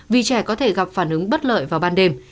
vì trẻ có thể gặp phản ứng bất lợi vào ban đêm